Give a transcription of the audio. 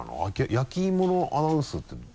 焼き芋のアナウンスって。